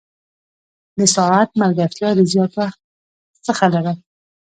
د ساعت ملګرتیا د زیات وخت څخه لرم.